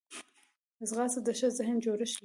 ځغاسته د ښه ذهن جوړښت لري